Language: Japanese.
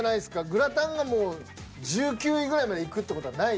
グラタンが１９位ぐらいまでいくって事はない。